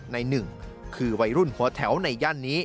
หนึ่งคือวัยรุ่นหัวแถวในย่านนี้